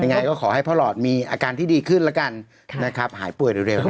ยังไงก็ขอให้พ่อหลอดมีอาการที่ดีขึ้นแล้วกันนะครับหายป่วยเร็ว